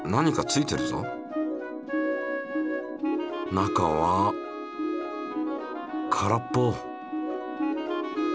中は空っぽ。